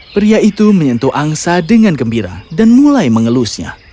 pria itu menyentuh angsa dengan gembira dan mulai mengelusnya